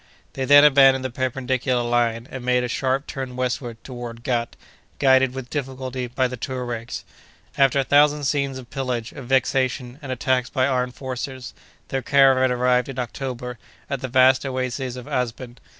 They then abandoned the perpendicular line, and made a sharp turn westward toward Ghât, guided, with difficulty, by the Touaregs. After a thousand scenes of pillage, of vexation, and attacks by armed forces, their caravan arrived, in October, at the vast oasis of Asben.